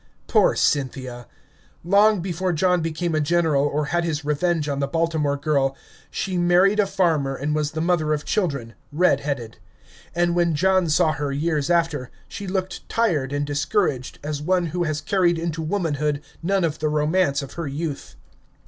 Poor Cynthia! Long before John became a general or had his revenge on the Baltimore girl, she married a farmer and was the mother of children, red headed; and when John saw her years after, she looked tired and discouraged, as one who has carried into womanhood none of the romance of her youth.